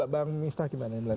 bang mistah gimana